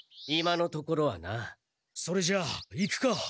今のところはな。それじゃあ行くか！